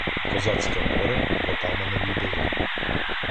Козацьке море в Отамановій долині